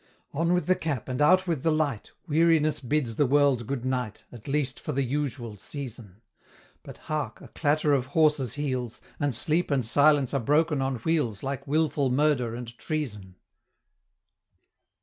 On with the cap and out with the light, Weariness bids the world good night, At least for the usual season; But hark! a clatter of horses' heels; And Sleep and Silence are broken on wheels, Like Wilful Murder and Treason!